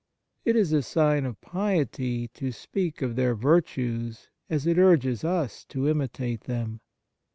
It is a sign of piety to speak of their virtues as it urges us to imitate them."